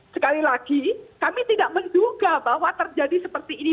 sekali lagi kami tidak menduga bahwa terjadi seperti ini